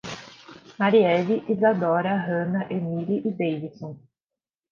Mariele, Izadora, Hanna, Emile e Deivison